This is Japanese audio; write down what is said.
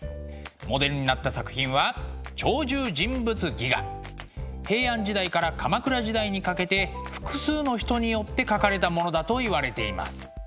モデルになった作品は平安時代から鎌倉時代にかけて複数の人によって描かれたものだといわれています。